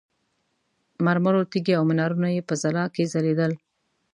مرمرو تیږې او منارونه یې په ځلا کې ځلېدل.